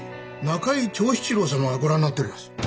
仲井長七郎様がご覧になっております。